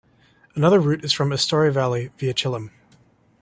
Another route is from Astore valley via Chilim.